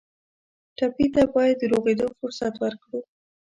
ټپي ته باید د روغېدو فرصت ورکړو.